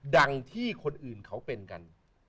ดังที่คนอื่นเขาเป็นกัน